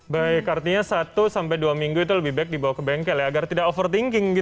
jadi itu berarti satu sampai dua minggu itu lebih baik dibawa ke bengkel agar tidak berpikir pikir